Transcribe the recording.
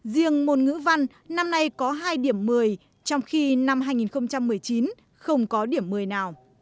riêng môn ngữ văn năm nay có hai điểm một mươi trong khi năm hai nghìn một mươi chín không có điểm một mươi nào